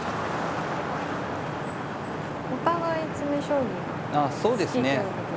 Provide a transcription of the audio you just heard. お互い詰将棋が好きということで。